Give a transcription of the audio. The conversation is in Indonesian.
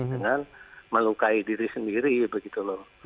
dengan melukai diri sendiri begitu loh